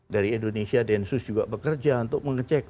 dari indonesia densus juga bekerja untuk mengecek